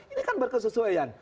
ini kan berkesesuaian